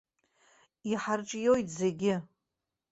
Иҳарҿиоит зегьы.